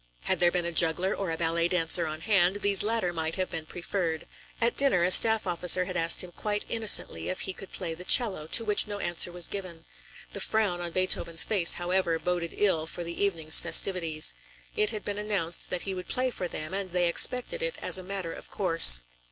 Had there been a juggler or a ballet dancer on hand, these latter might have been preferred. At dinner, a staff officer had asked him quite innocently if he could play the cello, to which no answer was given; the frown on Beethoven's face, however, boded ill for the evening's festivities. It had been announced that he would play for them, and they expected it as a matter of course.